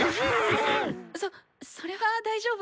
そそれは大丈夫。